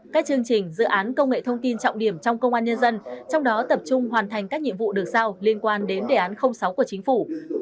các chương trình dự án công nghệ thông tin trọng điểm trong công an nhân dân trong đó tập trung hoàn thành các nhiệm vụ được sao liên quan đến đề án sáu của chính phủ